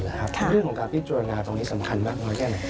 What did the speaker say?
เรื่องของการพิจารณาตรงนี้สำคัญมากน้อยแค่ไหน